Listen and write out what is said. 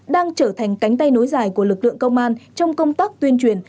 đang trở thành cánh tay nối dài của lực lượng công an trong công tác tuyên truyền